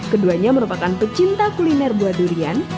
keduanya merupakan pecinta kuliner buah durian